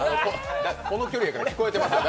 この距離やから、聞こえてます